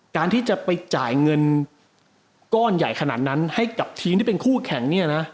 การที่จะไปจ่ายเงินก้อนใหญ่ขนาดนั้นให้กับทีมที่เป็นคู่แข่งเนี่ยนะ